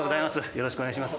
よろしくお願いします